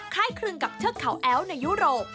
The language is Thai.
คล้ายคลึงกับเทือกเขาแอ้วในยุโรป